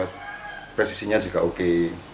tapi presisinya juga oke